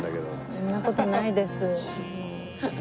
そんな事ないです。